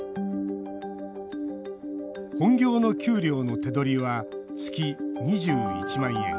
本業の給料の手取りは月２１万円。